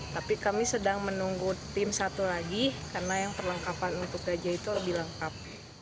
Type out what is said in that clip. tapi kami sedang menunggu tim satu lagi karena yang perlengkapan untuk gajah itu lebih lengkap